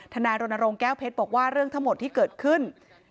นายรณรงค์แก้วเพชรบอกว่าเรื่องทั้งหมดที่เกิดขึ้น